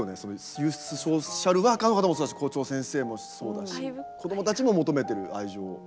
ユースソーシャルワーカーの方もそうだし校長先生もそうだし子どもたちも求めてる愛情。